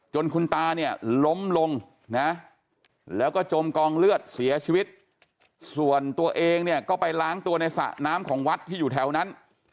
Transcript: คุณตาเนี่ยล้มลงนะแล้วก็จมกองเลือดเสียชีวิตส่วนตัวเองเนี่ยก็ไปล้างตัวในสระน้ำของวัดที่อยู่แถวนั้น